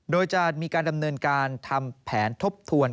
โดยจะมีการดำเนินการทำแผนทบทวน